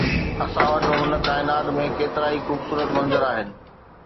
اسان وٽ هن ڪائنات ۾ ڪيترائي خوبصورت منظر آهن